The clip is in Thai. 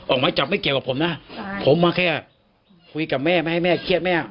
หมายจับไม่เกี่ยวกับผมนะผมมาแค่คุยกับแม่ไม่ให้แม่เครียดแม่